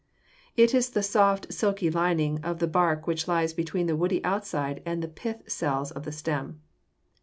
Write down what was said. It is the soft, silky lining of the bark which lies between the woody outside and the pith cells of the stem.